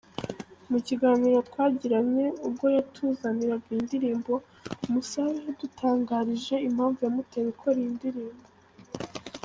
Mu kiganiro twagiranye , ubwo yatuzaniraga iyi ndirimbo , Musabe yadutangarije impamvu yamuteye gukora iyi ndirimbo.